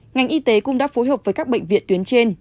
ngành y tế cũng đã phối hợp với các bệnh viện tuyến trên